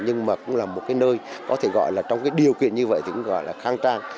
nhưng mà cũng là một cái nơi có thể gọi là trong cái điều kiện như vậy thì cũng gọi là khang trang